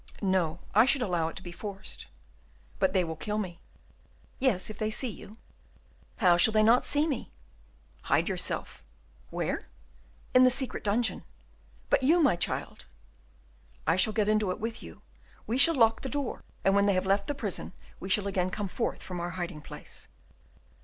"No, I should allow it to be forced." "But they will kill me!" "Yes, if they see you." "How shall they not see me?" "Hide yourself." "Where?" "In the secret dungeon." "But you, my child?" "I shall get into it with you. We shall lock the door and when they have left the prison, we shall again come forth from our hiding place."